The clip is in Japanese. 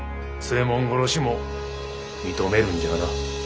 右衛門殺しも認めるんじゃな？